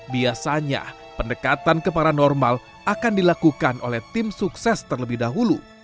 biasanya pendekatan ke paranormal akan dilakukan oleh tim sukses terlebih dahulu